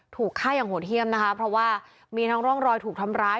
ถูกฆ่าอย่างโหดเยี่ยมนะคะเพราะว่ามีทั้งร่องรอยถูกทำร้าย